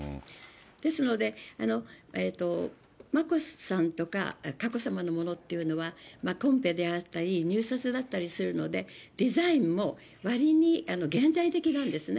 ですので、眞子さんとか佳子さまのものっていうのは、コンペであったり入札だったりするので、デザインもわりに現代的なんですね。